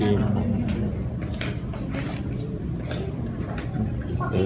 อันนี้ก็มองดูนะคะ